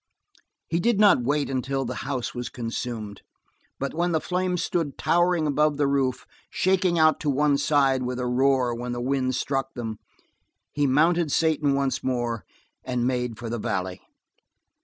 He did not wait until the house was consumed, but when the flames stood towering above the roof, shaking out to one side with a roar when the wind struck them, he mounted Satan once more, and made for the valley.